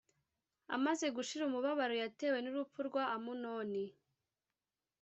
amaze gushira umubabaro yatewe n urupfu rwa Amunoni